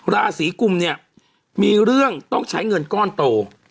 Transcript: ราศีกุมเนี่ยมีเรื่องต้องใช้เงินก้อนโต